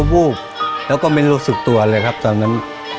ดูมันเรื่องที่แมง